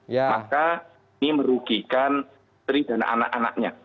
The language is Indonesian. maka ini merugikan seri dana anak anaknya